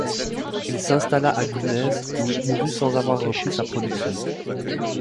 Il s’installa à Guînes où il mourut sans avoir repris sa production.